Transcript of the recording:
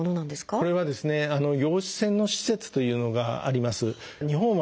これはですね陽子線の施設というのがあります。